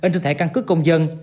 trên thẻ căn cứ công dân